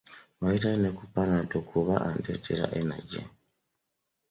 Wayitawo ne ku panado, kuba ondeetera energy.